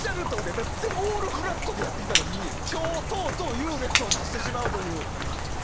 だから全部オールフラットでやってきたのに今日とうとう優劣を出してしまう。